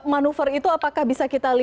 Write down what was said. proses teruwaisjahai banyak sekali